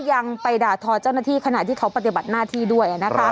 ยังไปด่าทอเจ้าหน้าที่ขณะที่เขาปฏิบัติหน้าที่ด้วยนะคะ